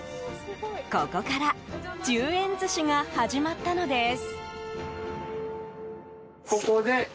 ここから１０円寿司が始まったのです。